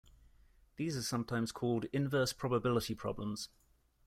These are sometimes called "inverse probability" problems.